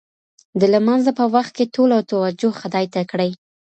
د لمانځه په وخت کې ټوله توجه خدای ته کړئ.